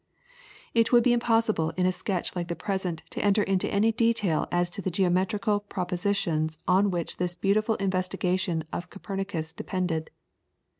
] It would be impossible in a sketch like the present to enter into any detail as to the geometrical propositions on which this beautiful investigation of Copernicus depended.